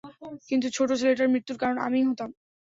কিন্তু ছোট ছেলেটার মৃত্যুর কারণ আমিই হতাম।